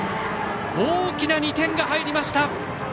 大きな２点が入りました。